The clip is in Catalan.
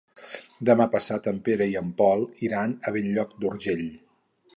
Demà passat en Pere i en Pol iran a Bell-lloc d'Urgell.